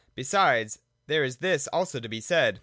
Be sides, there is this also to be said.